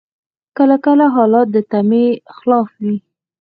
کله کله حالات د تمي خلاف وي.